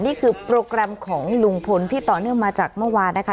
นี่คือโปรแกรมของลุงพลที่ต่อเนื่องมาจากเมื่อวานนะคะ